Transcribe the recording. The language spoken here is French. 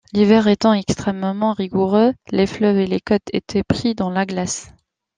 L'hiver étant extrêmement rigoureux, les fleuves et les côtes étaient pris dans la glace.